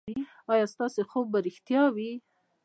ایا ستاسو خوب به ریښتیا وي؟